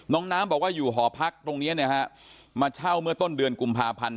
น้องน้ำบอกว่าอยู่หอพักตรงนี้นะฮะมาเช่าเมื่อต้นเดือนกุมภาพันธ์